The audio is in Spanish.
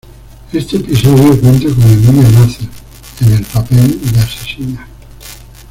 Este episodio cuenta con Emilia Mazer, en el papel de asesina.